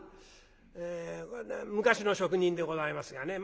昔の職人でございますがね。